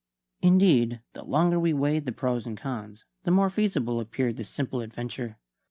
Indeed, the longer we weighed the pros and cons the more feasible appeared the simple adventure.